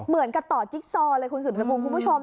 เหมือนกับต่อจิ๊กซอเลยคุณสืบสกุลคุณผู้ชม